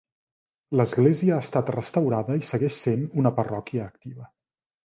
L'església ha estat restaurada i segueix sent una parròquia activa.